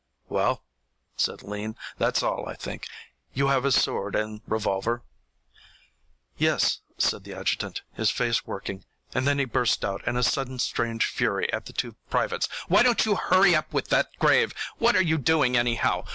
"Well," said Lean, "that's all, I think. You have his sword and revolver?" "Yes," said the adjutant, his face working, and then he burst out in a sudden strange fury at the two privates. "Why don't you hurry up with that grave? What are you doing, anyhow?